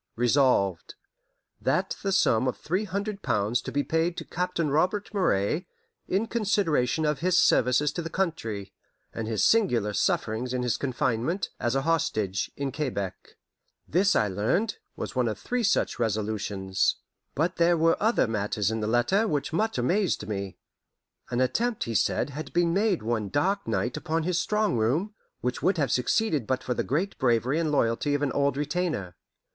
Resolved, That the sum of three hundred pounds be paid to Captain Robert Moray, in consideration of his services to the country, and his singular sufferings in his confinement, as a hostage, in Quebec. This, I learned, was one of three such resolutions. But there were other matters in his letter which much amazed me. An attempt, he said, had been made one dark night upon his strong room, which would have succeeded but for the great bravery and loyalty of an old retainer.